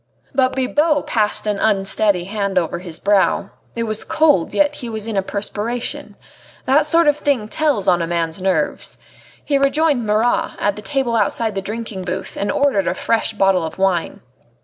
But Bibot passed an unsteady hand over his brow. It was cold, yet he was in a perspiration. That sort of thing tells on a man's nerves. He rejoined Marat, at the table outside the drinking booth, and ordered a fresh bottle of wine.